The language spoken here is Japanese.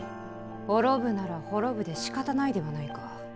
滅ぶなら滅ぶでしかたないではないか。